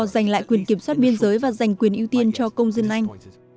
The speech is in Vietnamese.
giành lại quyền kiểm soát biên giới và dành quyền ưu tiên cho công dân anh